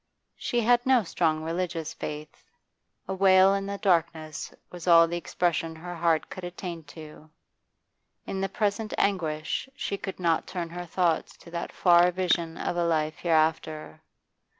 She had no strong religious faith; a wail in the darkness was all the expression her heart could attain to; in the present anguish she could not turn her thoughts to that far vision of a life hereafter.